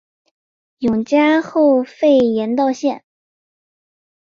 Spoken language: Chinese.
永嘉后废严道县。